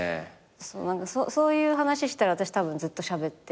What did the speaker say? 何かそういう話したら私たぶんずっとしゃべってる。